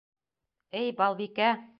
Эй, Балбикә?!..